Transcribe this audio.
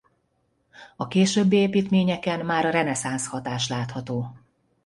A későbbi építményeken már a reneszánsz hatás látható.